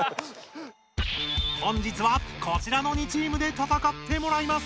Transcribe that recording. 本日はこちらの２チームで戦ってもらいます。